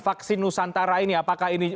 vaksin nusantara ini apakah ini